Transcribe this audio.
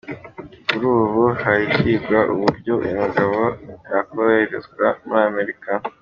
Kuri ubu hari kwigwa uburyo uyu mugabo yakoherezwa muri Amerika.